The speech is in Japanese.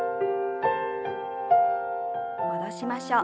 戻しましょう。